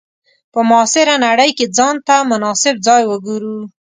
په معاصره نړۍ کې ځان ته مناسب ځای وګورو.